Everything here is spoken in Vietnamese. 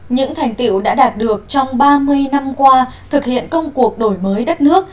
những thành tiệu đã đạt được trong ba mươi năm qua thực hiện công cuộc đổi mới đất nước